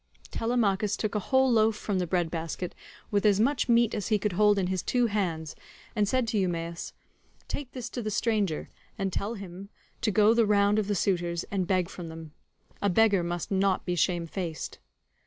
Telemachus took a whole loaf from the bread basket, with as much meat as he could hold in his two hands, and said to Eumaeus, "Take this to the stranger, and tell him to go the round of the suitors, and beg from them; a beggar must not be shamefaced."